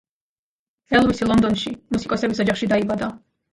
ელვისი ლონდონში მუსიკოსების ოჯახში დაიბადა.